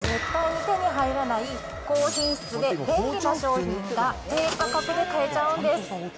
ダイソーさんでは絶対に手に入らない、高品質で便利な商品が低価格で買えちゃうんです。